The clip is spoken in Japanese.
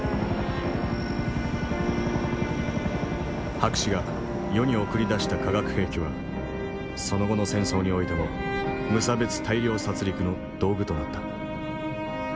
博士が世に送り出した化学兵器はその後の戦争においても無差別大量殺戮の道具となった。